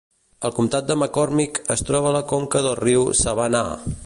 El comtat de McCormick es troba a la conca del riu Savannah.